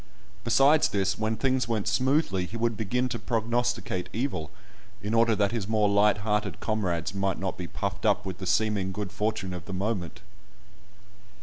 Besides this, when things went smoothly he would begin to prognosticate evil, in order that his more light hearted comrades might not be puffed up with the seeming good fortune of the moment.